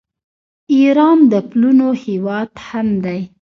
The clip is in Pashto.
ایران د پلونو هیواد هم دی.